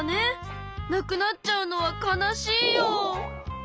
なくなっちゃうのは悲しいよ。